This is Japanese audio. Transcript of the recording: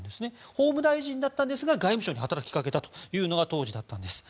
法務大臣だったんですが外務省に働きかけたのが当時だったんです。